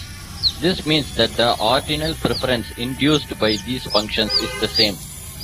This means that the ordinal preference induced by these functions is the same.